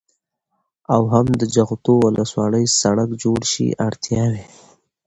او هم د جغتو ولسوالۍ سړك جوړ شي. اړتياوې: